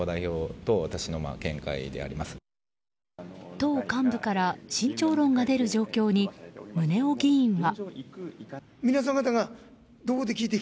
党幹部から慎重論が出る状況に宗男議員は。